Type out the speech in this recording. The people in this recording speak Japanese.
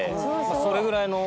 それぐらいの年齢。